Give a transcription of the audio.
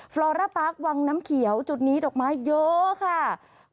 ฟรอร่าปาร์ควังน้ำเขียวจุดนี้ดอกไม้เยอะค่ะ